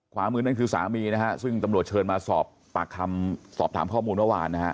ขวามือนั่นคือสามีนะฮะซึ่งตำรวจเชิญมาสอบปากคำสอบถามข้อมูลเมื่อวานนะฮะ